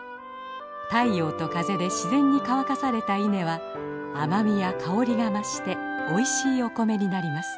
太陽と風で自然に乾かされた稲は甘みや香りが増しておいしいお米になります。